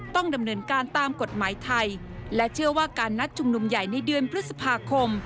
ต้องดำเนินการตามกฎหมายไทยและเชื่อว่าการนัดชุมนุมใหญ่ในเดือนพฤษภาคม